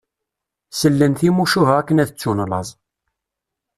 Sellen timucuha akken ad ttun laẓ.